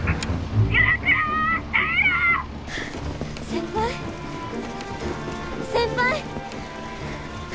先輩先輩！